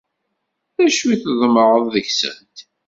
D acu i tḍemεeḍ deg-sent?